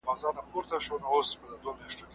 ماشوم له یوازیتوب څخه خوندي دی.